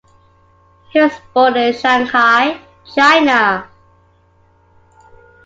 He was born in Shanghai, China.